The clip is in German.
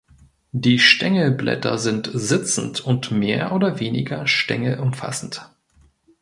Die Stängelblätter sind sitzend und mehr oder weniger stängelumfassend.